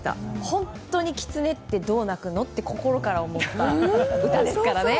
本当にきつねってどう泣くのって心から思った歌ですからね。